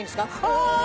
ああ！